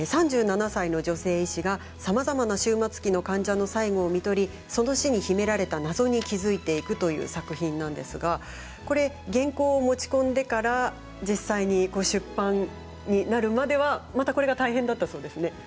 ３７歳の女性医師が、さまざまな終末期の患者の最期をみとりその死に秘められた謎に気付いていくという作品なんですがこれ、原稿を持ち込んでから実際に、ご出版になるまではまたこれが大変だったそうですね。